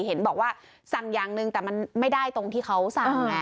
เห็นบอกว่าสั่งอย่างหนึ่งแต่มันไม่ได้ตรงที่เขาสั่งไง